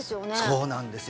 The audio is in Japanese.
そうなんですよ